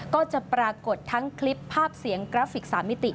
ก็จะปรากฏทั้งคลิปภาพเสียงกราฟิก๓มิติ